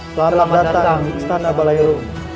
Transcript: selamat datang di istana balairu